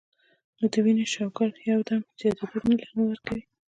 نو د وينې شوګر يو دم زياتېدو له نۀ ورکوي -